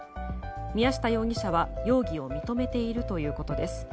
宮下容疑者は容疑を認めているということです。